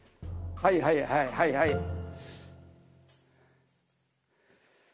はいはいはいはい。